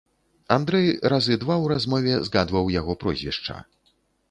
Андрэй разы два ў размове згадваў яго прозвішча.